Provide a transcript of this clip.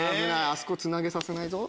あそこつなげさせないぞ。